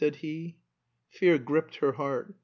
said he. Fear gripped her heart.